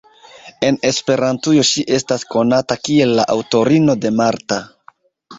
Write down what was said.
En Esperantujo ŝi estas konata kiel la aŭtorino de "Marta.